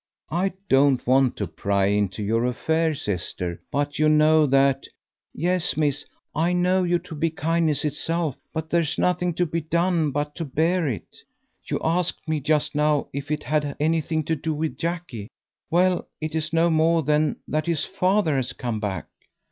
"I don't want to pry into your affairs, Esther, but you know that " "Yes, miss, I know you to be kindness itself; but there's nothing to be done but to bear it. You asked me just now if it had anything to do with Jackie. Well, it is no more than that his father has come back."